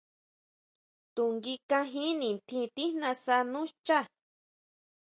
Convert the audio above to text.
To nguí kanjin nitjín tijnasa nú xchá.